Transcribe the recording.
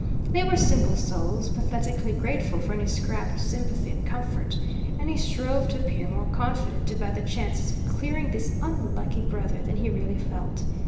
They were simple souls, pathetically grateful for any scrap of sympathy and comfort, and he strove to appear more confident about the chances of clearing this unlucky brother than he really felt.